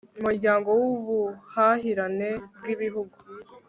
umuryango w ubuhahirane bw ibihugu